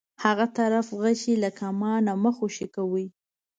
هغه طرف غشی له کمانه مه خوشی کوئ.